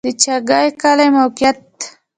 د چاګای کلی موقعیت